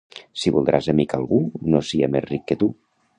Si voldràs amic algú, no sia més ric que tu.